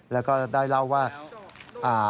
แล้วก็ได้เล่าว่า